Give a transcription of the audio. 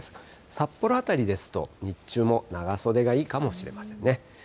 札幌辺りですと、日中も長袖がいいかもしれませんね。